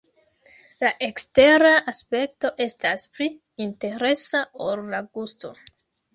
La ekstera aspekto estas pli interesa ol la gusto.